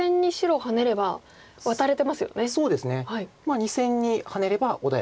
２線にハネれば穏やかです。